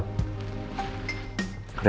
ren saya harus balik